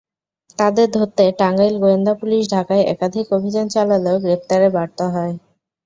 তাঁদের ধরতে টাঙ্গাইল গোয়েন্দা পুলিশ ঢাকায় একাধিক অভিযান চালালেও গ্রেপ্তারে ব্যর্থ হয়।